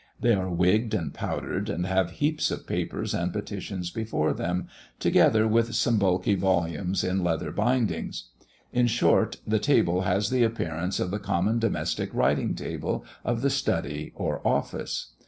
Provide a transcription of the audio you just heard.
They are wigged and powdered, and have heaps of papers and petitions before them, together with some bulky volumes in leather bindings. In short, the table has the appearance of the common domestic writing table of the study or office.